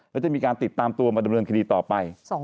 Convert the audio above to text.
แล้วจะมีการติดตามตัวมาดำเนินคดีต่อไป